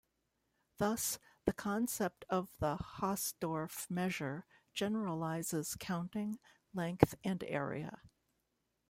Thus, the concept of the Hausdorff measure generalizes counting, length, and area.